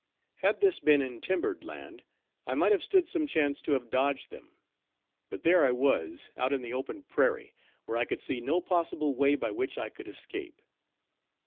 Had this been in timbered land, I might have stood some chance to have dodged them, but there I was, out in the open prairie, where I could see no possible way by which I could escape.